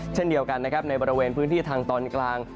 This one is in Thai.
เช่นเดียวกันนะครับในบริเวณพื้นที่ทางตอนกลาง